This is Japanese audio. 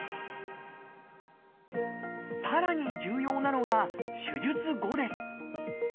さらに重要なのが手術後です。